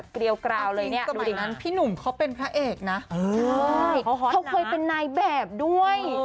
เคยเป็นนายแบบด้วย